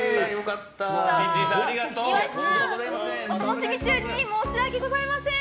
岩井さん、お楽しみ中に申し訳ございません。